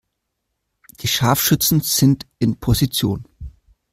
Die Scharfschützen sind in Position.